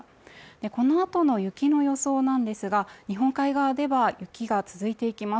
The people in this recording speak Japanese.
このあとの雪の予想なんですが日本海側では雪が続いていきます